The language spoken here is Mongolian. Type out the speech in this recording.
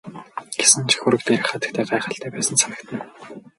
Гэсэн ч хөрөг дээрх хатагтай гайхалтай байсан санагдана.